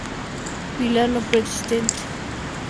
Vilano persistente.